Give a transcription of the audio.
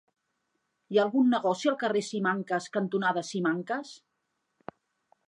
Hi ha algun negoci al carrer Simancas cantonada Simancas?